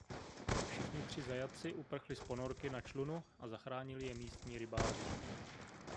Všichni tři zajatci uprchli z ponorky na člunu a zachránili je místní rybáři.